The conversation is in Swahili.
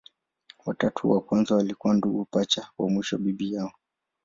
Watatu wa kwanza walikuwa ndugu pacha, wa mwisho bibi yao.